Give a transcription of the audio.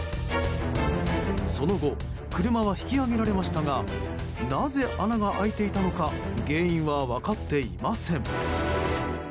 その後車は引き上げられましたがなぜ穴が開いていたのか原因は分かっていません。